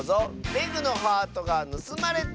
「レグのハートがぬすまれた！」